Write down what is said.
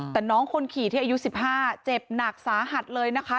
แต่น้องคนขี่ที่อายุ๑๕เจ็บหนักสาหัสเลยนะคะ